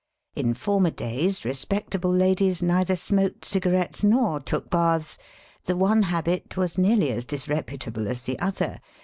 In former days respectable ladies neither smoked cigarettes nor took baths. The one habit was nearly as disreputable as the other.